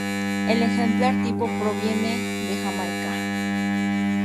El ejemplar tipo proviene de Jamaica.